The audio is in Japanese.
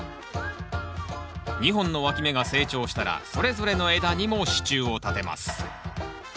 ２本のわき芽が成長したらそれぞれの枝にも支柱を立てます。